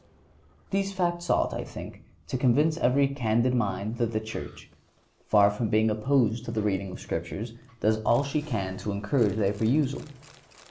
These facts ought, I think, to convince every candid mind that the Church, far from being opposed to the reading of the Scriptures, does all she can to encourage their perusal.